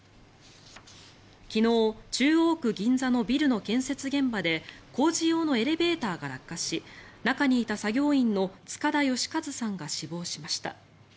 昨日、中央区銀座のビルの建設現場で工事用のエレベーターが落下し中にいた作業員の塚田吉和さんが死亡しました。